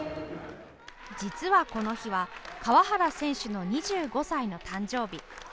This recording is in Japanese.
実は、この日は川原選手の２５歳の誕生日。